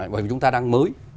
bởi vì chúng ta đang mới